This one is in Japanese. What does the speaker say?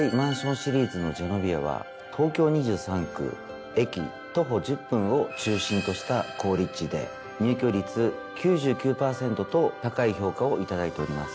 は東京２３区駅徒歩１０分を中心とした好立地で入居率９９％と高い評価を頂いております。